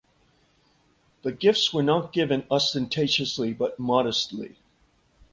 The gifts were not given ostentatiously but modestly.